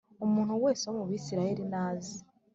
umuntu wese wo mu Bisirayeli naze